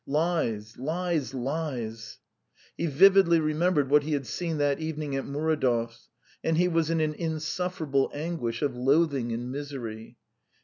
Lies, lies, lies. ... He vividly remembered what he had seen that evening at Muridov's, and he was in an insufferable anguish of loathing and misery.